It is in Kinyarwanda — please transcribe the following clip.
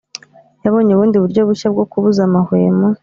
Yabonye ubundi buryo bushya bwo kubuza amahwemo